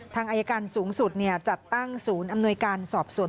ทางอายการสูงสุดจัดตั้งศูนย์อำนวยการสอบสวน